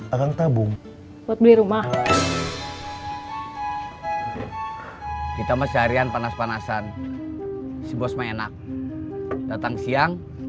akan tabung buat beli rumah kita mesyarian panas panasan si bos mainak datang siang